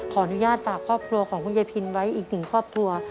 ขออนุญาตฝากครอบครัวของคุณยายพินไว้อีกหนึ่งครอบครัว